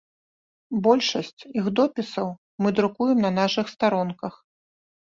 Большасць іх допісаў мы друкуем на нашых старонках.